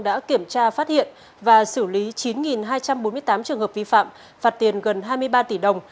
đã kiểm tra phát hiện và xử lý chín hai trăm bốn mươi tám trường hợp vi phạm phạt tiền gần hai mươi ba tỷ đồng